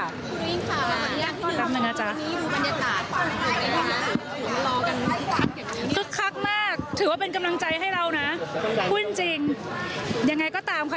สวัสดีกว่าคุณสามารถเล่าให้นี้ด้วยค่าครับ